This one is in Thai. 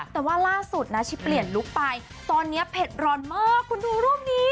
แต่ว่าล่าสุดนะชิปเปลี่ยนลุคไปตอนนี้เผ็ดร้อนมากคุณดูรูปนี้